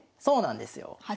そうなんですよ。